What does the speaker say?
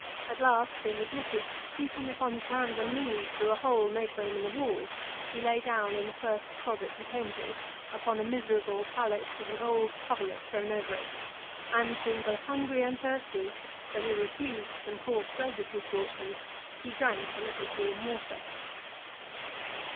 At last, being admitted, creeping upon his hands and knees, through a hole made for him in the wall, he lay down in the first closet he came to, upon a miserable pallet, with an old coverlet thrown over it; and being both hungry and thirsty, though he refused some coarse bread that was brought him, he drank a little warm water.